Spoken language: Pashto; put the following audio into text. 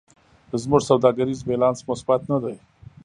زموږ سوداګریز بیلانس مثبت نه دی.